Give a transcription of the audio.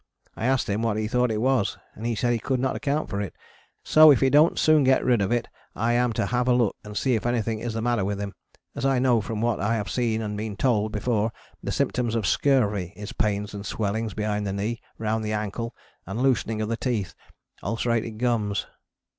I asked him what he thought it was, and he said could not account for it, so if he dont soon get rid of it I am to have a look and see if anything is the matter with him, as I know from what I have seen and been told before the symptoms of scurvy is pains and swelling behind the knee round the ankle and loosening of the teeth, ulcerated gums.